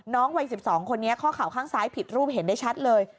วัย๑๒คนนี้ข้อเข่าข้างซ้ายผิดรูปเห็นได้ชัดเลย